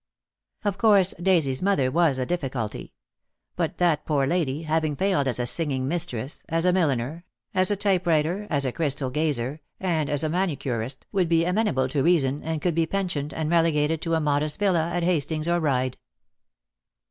Of course, Daisy's mother was a difficulty; but that poor lady, having failed as a singing mistress, as a milliner, as a typewriter, as a crystal gazer, and as a manicurist, would be amenable to reason, and could be pensioned, and relegated to a modest villa at Hastings or Ryde.